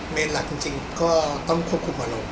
เมฆหลักจริงก็ต้องควบคุมอารมณ์